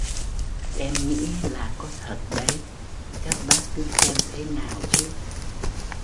Em nghĩ là có thật đấy các bác cứ xem thế nào chứ